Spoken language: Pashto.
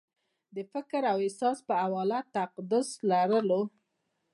د فکر او احساس په حواله تقدس لرلو